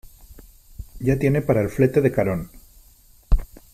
¡ ya tiene para el flete de Carón !...